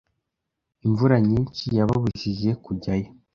Imvura nyinshi yababujije kujyayo.